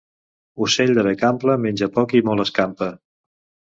Ocell de bec ample menja poc i molt escampa.